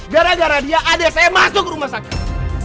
gara gara dia adil saya masuk rumah sakit